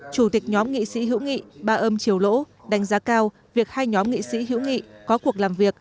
chủ tịch nhóm nghị sĩ hữu nghị ba âm triều lỗ đánh giá cao việc hai nhóm nghị sĩ hữu nghị có cuộc làm việc